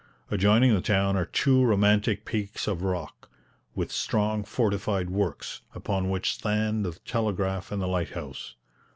Adjoining the town are two romantic peaks of rock, with strong fortified works, upon which stand the telegraph and the lighthouse.